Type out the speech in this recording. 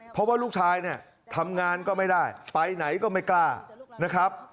เพราะว่าลูกชายเนี่ยทำงานก็ไม่ได้ไปไหนก็ไม่กล้านะครับ